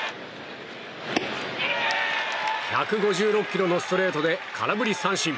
１５６キロのストレートで空振り三振。